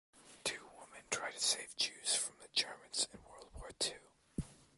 Two women try to save Jews from the Germans in World War Two.